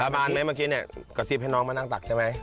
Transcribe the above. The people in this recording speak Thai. บานไหมเมื่อกี้เนี่ยกระซิบให้น้องมานั่งตักใช่ไหม